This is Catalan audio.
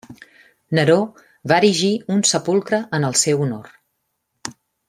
Neró va erigir un sepulcre en el seu honor.